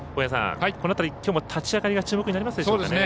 この辺り、きょうも立ち上がりが注目になりますか。